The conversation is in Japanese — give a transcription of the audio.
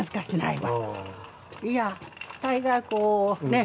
いやあ大概こうね